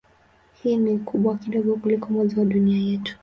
Hii ni kubwa kidogo kuliko Mwezi wa Dunia yetu.